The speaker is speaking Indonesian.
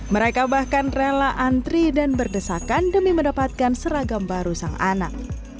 mereka bahkan rela antri dan berdesakan demi mendapatkan seragam baru sang anak